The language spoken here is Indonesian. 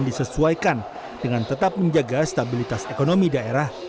disesuaikan dengan tetap menjaga stabilitas ekonomi daerah